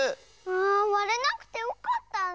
あわれなくてよかったね！